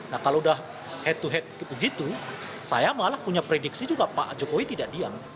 nah kalau udah head to head begitu saya malah punya prediksi juga pak jokowi tidak diam